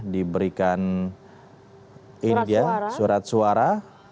diberikan ini dia surat suara